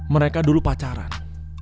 mereka dulu pacaran